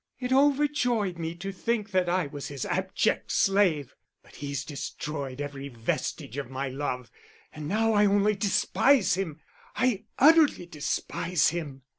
It overjoyed me to think that I was his abject slave. But he's destroyed every vestige of my love, and now I only despise him, I utterly despise him.